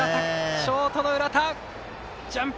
ショートの浦田、ジャンプ。